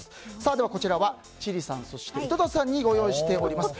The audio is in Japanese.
こちらは千里子さん井戸田さんにご用意しております。